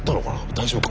大丈夫か？